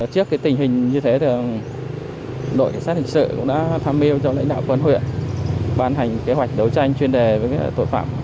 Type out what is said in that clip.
trước tình hình như thế đội cảnh sát hình sự cũng đã tham mưu cho lãnh đạo quân huyện ban hành kế hoạch đấu tranh chuyên đề với tội phạm